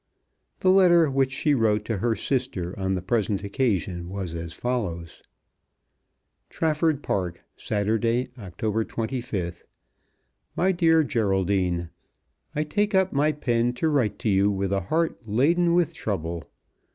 The letter which she wrote to her sister on the present occasion was as follows; Trafford Park, Saturday, October 25th. MY DEAR GERALDINE, I take up my pen to write to you with a heart laden with trouble.